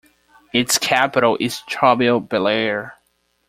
Its capital is Chateaubelair.